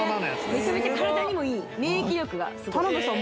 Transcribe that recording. ・めちゃめちゃ体にもいい免疫力がすごい田辺さん